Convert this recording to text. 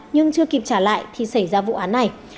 nhưng chưa kịp trả lại thì xảy ra vụ án này